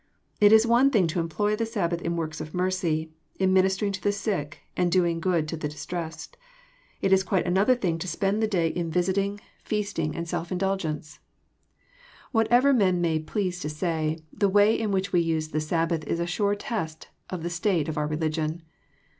It is one thing to employ the Sabbath in works of mercy, in ministering to the sick, and doing good to the distressed. It is quite another thing to spend the day / 150 EXPOsrroKT thoughts. in visiting, feasting, and self indalgence. Whatever men may please to say, the way in which we Jiae_the Sabbath is a sure test of the st ate of i)ur religion.